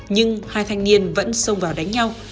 nhưng hai thanh niên vẫn sông vào đánh nhau